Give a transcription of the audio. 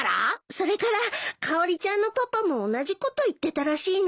それからかおりちゃんのパパも同じこと言ってたらしいの。